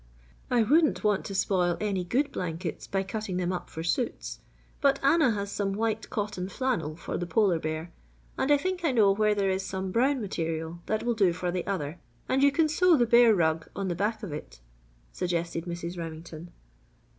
"I wouldn't want to spoil any good blankets by cutting them up for suits but Anna has some white cotton flannel for the polar bear and I think I know where there is some brown material that will do for the other and you can sew the bear rug on the back of it," suggested Mrs. Remington.